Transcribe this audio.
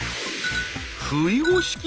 ふいご式？